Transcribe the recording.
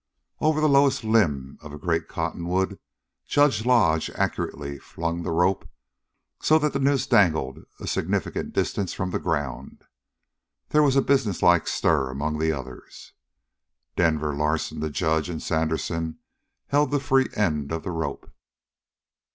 Over the lowest limb of a great cottonwood Judge Lodge accurately flung the rope, so that the noose dangled a significant distance from the ground. There was a businesslike stir among the others. Denver, Larsen, the judge, and Sandersen held the free end of the rope.